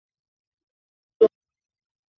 卵叶轮草为茜草科拉拉藤属下的一个种。